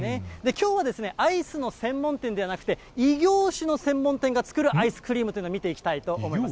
きょうはアイスの専門店ではなくて、異業種の専門店が作るアイスクリームというのを見ていきたいと思います。